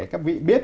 các vị biết